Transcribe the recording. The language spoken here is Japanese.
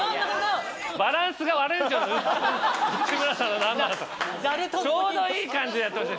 ちょうどいい感じでやってほしい。